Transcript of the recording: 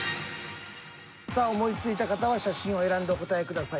さあ思いついた方は写真を選んでお答えください。